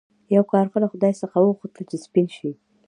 یو کارغه له خدای څخه وغوښتل چې سپین شي.